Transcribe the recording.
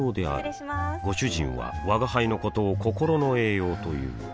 失礼しまーすご主人は吾輩のことを心の栄養という